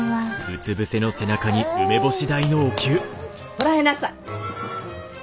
こらえなさい！